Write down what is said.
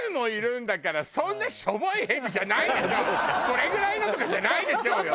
これぐらいのとかじゃないでしょうよ！